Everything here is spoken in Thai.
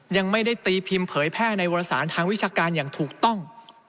ยังไม่ได้ตีพิมพ์เผยแพร่ในวรสารทางวิชาการอย่างถูกต้อง